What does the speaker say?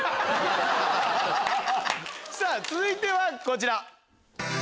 さぁ続いてはこちら。